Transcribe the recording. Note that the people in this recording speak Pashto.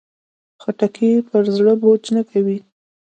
خټکی پر زړه بوج نه کوي.